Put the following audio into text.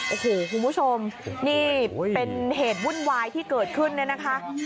โอ้โหคุณผู้ชมนี่เป็นเหตุวุ่นวายที่เกิดขึ้นเนี่ยนะคะ